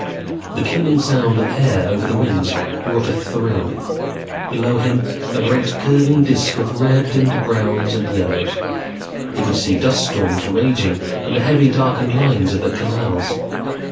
The keening sound of air over the wings brought a thrill. Below him, a great curving disk of reds and browns and yellows. He could see dust storms raging and the heavy, darkened lines of the canals.